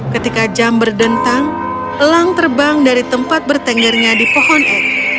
ketika jam berdentang elang terbang dari tempat bertenggernya di pohon ek